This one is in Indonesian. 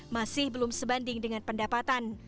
masih belum sebanding dengan pendapatan